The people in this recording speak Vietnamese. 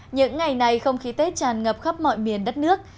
những ngày này không khí tết tràn ngập khắp mọi miền đất nước